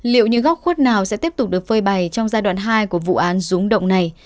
liệu những góc khuất nào sẽ tiếp tục được phơi bày trong giai đoạn hai của vụ án rúng động này